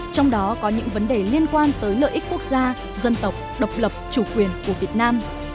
trong đó có những vấn đề liên quan tới lợi ích quốc gia dân tộc độc lập chủ quyền của việt nam